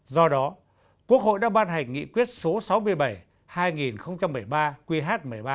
do đó quốc hội đã ban hành nghị quyết số sáu mươi bảy hai nghìn một mươi ba qh một mươi ba